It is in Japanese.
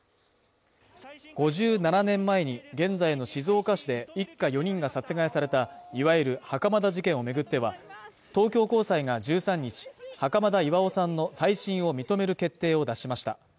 ５７年前に現在の静岡市で一家４人が殺害されたいわゆる袴田事件を巡っては、東京高裁が１３日、袴田巌さんの再審を認める決定を出しました。